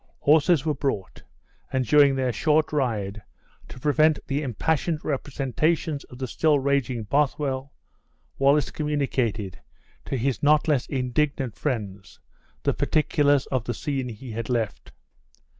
Horses were brought; and, during their short ride, to prevent the impassioned representations of the still raging Bothwell, Wallace communicated, to his not less indignant friends, the particulars of the scene he had left.